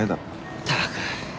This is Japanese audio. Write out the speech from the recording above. ったく。